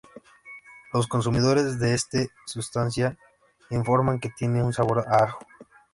Los consumidores de este sustancia informan que tiene un sabor a ajo.